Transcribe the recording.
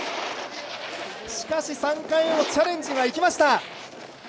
しかし、３回目もチャレンジは行きました。